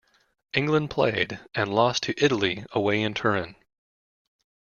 England played, and lost to, Italy away in Turin.